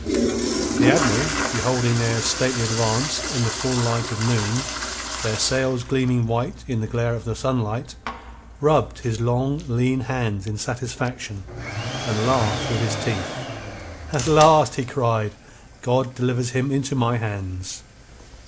The Admiral, beholding their stately advance in the full light of noon, their sails gleaming white in the glare of the sunlight, rubbed his long, lean hands in satisfaction, and laughed through his teeth. "At last!" he cried. "God delivers him into my hands!"